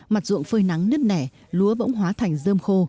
mặt ruộng phơi nắng nứt nẻ lúa bỗng hóa thành dơm khô